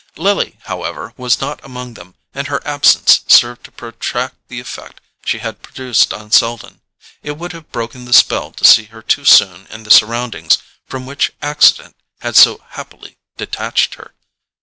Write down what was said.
Lily, however, was not among them, and her absence served to protract the effect she had produced on Selden: it would have broken the spell to see her too soon in the surroundings from which accident had so happily detached her.